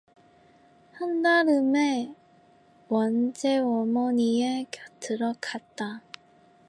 한달음에 원재 어머니의 곁으로 갔다.